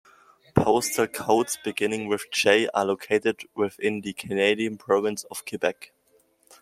Postal codes beginning with J are located within the Canadian province of Quebec.